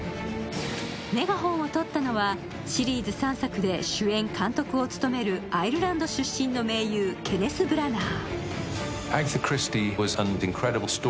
メガホンをとったのはシリーズ３作で主演・監督を務めるアイルランド出身の名優、ケネス・ブラナー。